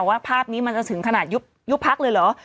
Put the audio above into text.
ว่าภาพนี้มันจะถึงขนาดยุบพักเลยเหรอ